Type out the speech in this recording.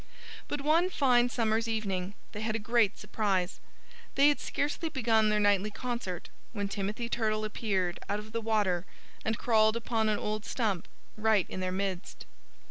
But one fine summer's evening they had a great surprise. They had scarcely begun their nightly concert when Timothy Turtle appeared, out of the water and crawled upon an old stump, right in their midst.